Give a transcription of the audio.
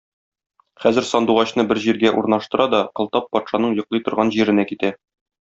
Хәзер Сандугачны бер җиргә урнаштыра да Кылтап патшаның йоклый торган җиренә китә.